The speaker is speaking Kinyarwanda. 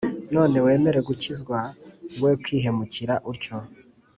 None wemere gukizwa we kwihemukira utyo